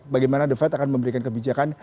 bagaimana the fed akan memberikan kebijakan